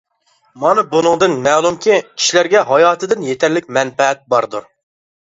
مانا بۇنىڭدىن مەلۇمكى، كىشىلەرگە ھايادىن يېتەرلىك مەنپەئەت باردۇر.